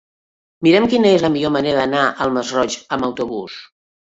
Mira'm quina és la millor manera d'anar al Masroig amb autobús.